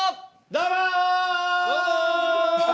どうも！